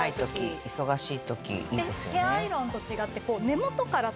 ヘアアイロンと違って。